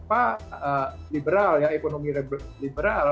karena liberal ya ekonomi liberal